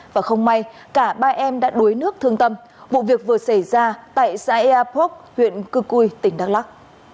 và không may cả ba em đã đuối nước thương tâm vụ việc vừa xảy ra tại xã eapok huyện cư cui tỉnh đắk lắc